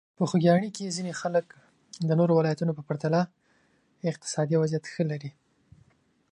په خوږیاڼي کې ځینې خلک د نورو ولایتونو په پرتله اقتصادي وضعیت ښه لري.